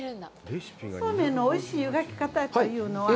そうめんのおいしい湯がき方というのは。